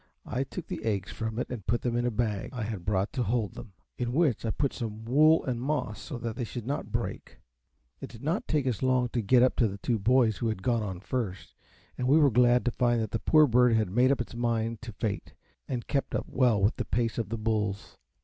I took the eggs from it and put them in a bag I had brought to hold them, in which I put some wool and moss, so that they should not break. It did not take us long to get up to the two boys, who had gone on first, and we were glad to find that the poor bird had made up its mind to its fate, and kept up well with the pace of the bulls.